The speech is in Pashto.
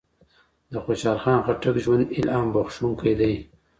د خوشحال خان خټک ژوند الهام بخښونکی دی